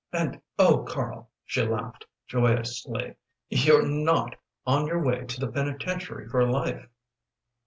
"And oh, Karl," she laughed, joyously, "you're not on your way to the penitentiary for life."